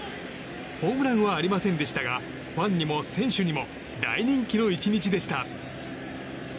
ホームランはありませんでしたがファンにも選手にも大人気の１日でした。